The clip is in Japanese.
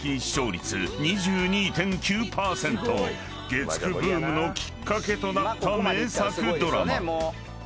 ［月９ブームのきっかけとなった名作ドラマ］